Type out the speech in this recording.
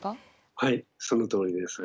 はいそのとおりです。